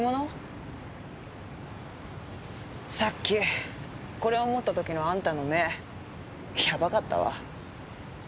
さっきこれを持った時のあんたの目やばかったわ。